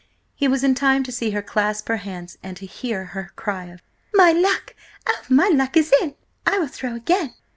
He was in time to see her clap her hands and to hear her cry of: "My luck! Oh, my luck is in! I will throw again!"